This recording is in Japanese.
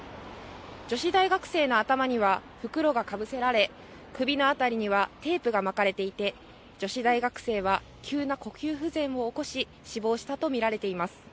女子大学生の頭には袋がかぶせられ、首の辺りにはテープが巻かれていて女子大学生は急な呼吸不全を起こし、死亡したとみられています。